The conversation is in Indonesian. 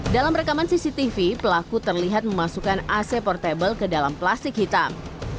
dalam rekaman cctv pelaku terlihat memasukkan ac portable ke dalam plastik hitam